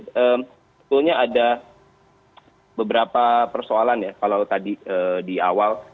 sebetulnya ada beberapa persoalan ya kalau tadi di awal